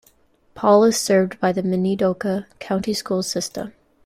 Paul is served by the Minidoka County Schools system.